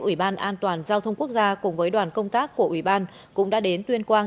ủy ban an toàn giao thông quốc gia cùng với đoàn công tác của ủy ban cũng đã đến tuyên quang